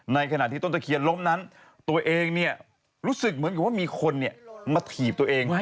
ในขณะที่ต้นตะเคียนล้มนั้นตัวเองเนี่ยรู้สึกเหมือนกับว่ามีคนมาถีบตัวเอง